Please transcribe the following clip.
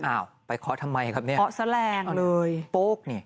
อ้าวไปเคาะทำไมครับเนี่ยเคาะแสลงเลยโป๊กนี่